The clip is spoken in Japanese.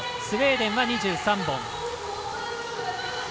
スウェーデンは２３本。